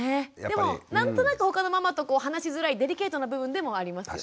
でも何となく他のママと話しづらいデリケートな部分でもありますよね。